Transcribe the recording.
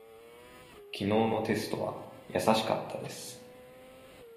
きのうのテストは易しかったです。